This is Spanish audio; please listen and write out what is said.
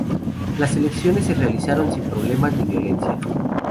Las elecciones se realizaron sin problemas ni violencia.